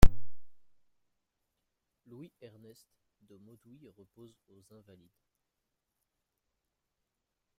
Louis Ernest de Maud'huy repose aux Invalides.